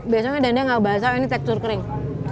biasanya dendengnya enggak basah ini tekstur kering